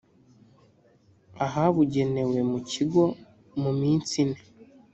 ahabugenewe mu kigo mu minsi ine